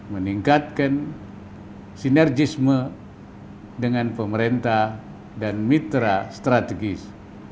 meningkatkan sinergisme dengan pemerintah dan mitra strategis